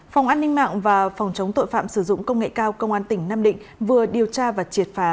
phòng an ninh mạng và phòng chống tội phạm sử dụng công nghệ cao công an tỉnh nam định vừa điều tra và triệt phá